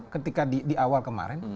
ketika di awal kemarin